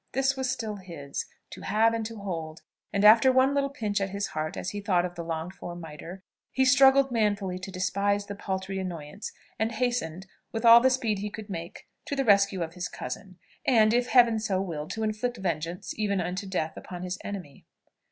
This was still his, to have and to hold; and after one little pinch at his heart, as he thought of the longed for mitre, he struggled manfully to despise the paltry annoyance, and hastened, with all the speed he could make, to the rescue of his cousin, and, if Heaven so willed, to inflict vengeance, even unto death, upon his enemy.